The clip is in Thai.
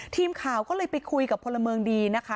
ทีมข่าวก็เลยไปคุยกับพลเมืองดีนะคะ